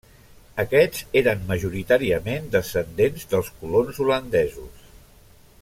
Aquests eren majoritàriament descendents dels colons holandesos.